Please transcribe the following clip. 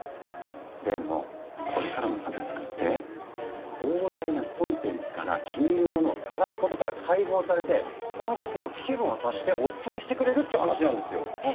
でもこれからのサブスクって膨大なコンテンツから気に入るものを探すことから解放されてその時の気分を察してオススメしてくれるって話なんですよ。え？